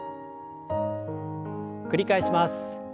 繰り返します。